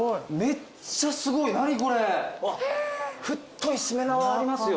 太いしめ縄ありますよ。